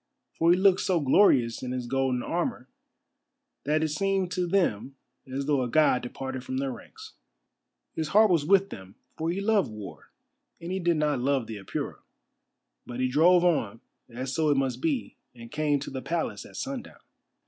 For he looked so glorious in his golden armour that it seemed to them as though a god departed from their ranks. His heart was with them, for he loved war, and he did not love the Apura. But he drove on, as so it must be, and came to the Palace at sundown.